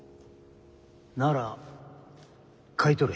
なら買い取れ。